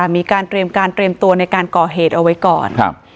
มีการเตรียมการเตรียมตัวในการก่อเหตุเอาไว้ก่อนครับ